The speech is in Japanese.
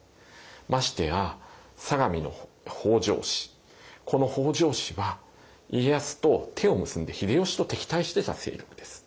ましてや相模の北条氏この北条氏は家康と手を結んで秀吉と敵対してた勢力です。